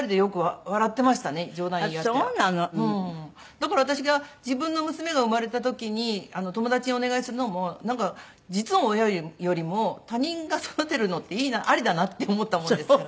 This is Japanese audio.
だから私が自分の娘が生まれた時に友達にお願いするのも実の親よりも他人が育てるのっていいなありだなって思ったものですから。